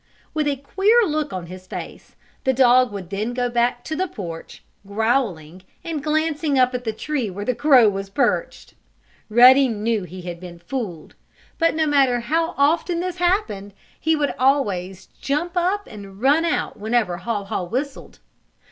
With a queer look on his face, the dog would then go back to the porch, growling and glancing up at the tree where the crow was perched. Ruddy knew he had been fooled. But, no matter how often this happened, he would always jump up and run out whenever Haw Haw whistled.